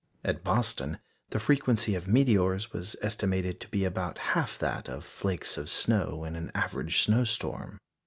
At Boston the frequency of meteors was estimated to be about half that of flakes of snow in an average snowstorm.